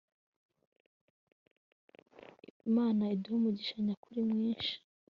imana iduhe umugisha nyakuri mwinshi